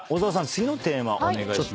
次のテーマお願いします。